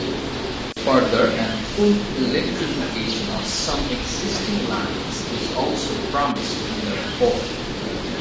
Further and full electrification of some existing lines is also promised in the report.